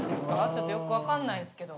ちょっとよくわかんないですけど。